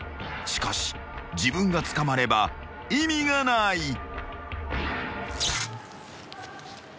［しかし自分が捕まれば意味がない］